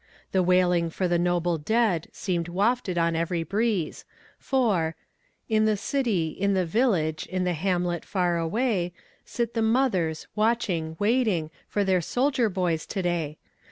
The wailing for the noble dead seemed wafted on every breeze, for In the city, in the village, In the hamlet far away, Sit the mothers, watching, waiting, For their soldier boys to day.